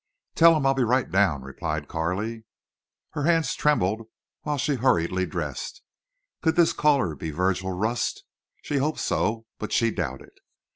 "Tell him I'll be right down," replied Carley. Her hands trembled while she hurriedly dressed. Could this caller be Virgil Rust? She hoped so, but she doubted.